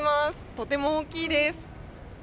とても大きいです。